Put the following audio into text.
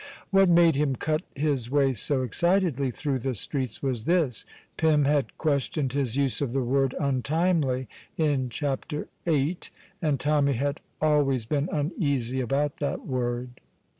What made him cut his way so excitedly through the streets was this: Pym had questioned his use of the word "untimely" in chapter eight. And Tommy had always been uneasy about that word.